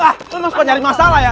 ah lu emang suka nyari masalah ya